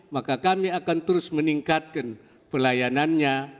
maka kami akan terus meningkatkan pelayanannya